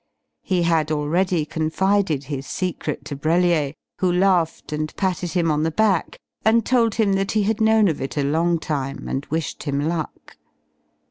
He had already confided his secret to Brellier, who laughed and patted him on the back and told him that he had known of it a long time and wished him luck.